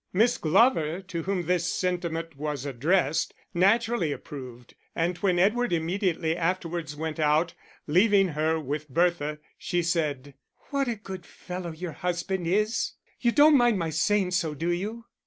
Miss Glover, to whom this sentiment was addressed, naturally approved, and when Edward immediately afterwards went out, leaving her with Bertha, she said "What a good fellow your husband is! You don't mind my saying so, do you?"